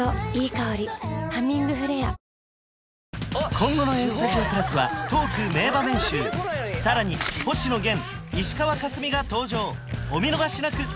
今後の「ＡＳＴＵＤＩＯ＋」はトーク名場面集さらに星野源石川佳純が登場お見逃しなく！